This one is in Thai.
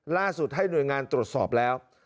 ล่าสุดให้หน่วยงานตรวจสอบแล้ว